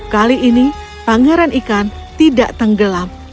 kali ini pangeran ikan tidak tenggelam